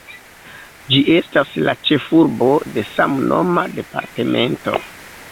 Ĝi estas la ĉefurbo de samnoma departemento.